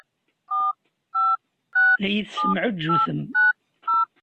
La iyi-tessemɛuǧǧutem.